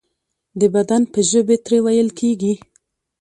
د بدن په ژبې ترې ویل کیږي.